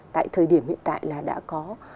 tại thời điểm hiện tại là đã có